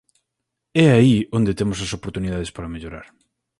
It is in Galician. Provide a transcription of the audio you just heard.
É aí onde temos as oportunidades para mellorar.